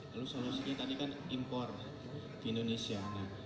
lalu solusinya tadi kan impor ke indonesia